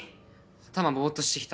頭ぼーっとしてきた。